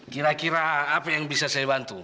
kira kira apa yang bisa saya bantu